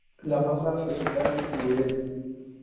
La masa resultante se moldea.